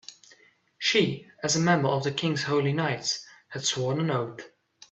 She, as a member of the king's holy knights, had sworn an oath.